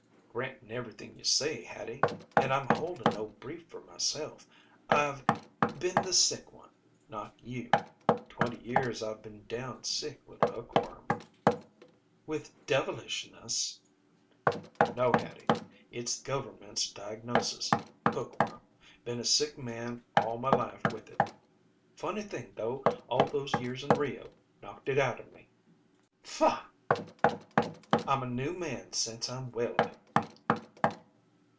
"Grantin' everything you say, Hattie and I'm holdin' no brief for myself I've been the sick one, not you. Twenty years I've been down sick with hookworm." "With devilishness." "No, Hattie. It's the government's diagnosis. Hookworm. Been a sick man all my life with it. Funny thing, though, all those years in Rio knocked it out of me." "Faugh!" "I'm a new man since I'm well of it."